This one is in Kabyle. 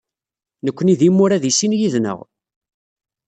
Nekni d imura deg sin yid-neɣ.